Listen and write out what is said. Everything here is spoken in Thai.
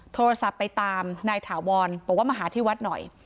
โทรศัพท์ไปตามนายถาวรบอกว่ามาหาที่วัดหน่อย